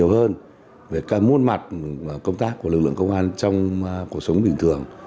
các phóng viên hiểu được nhiều hơn về môn mặt công tác của lực lượng công an trong cuộc sống bình thường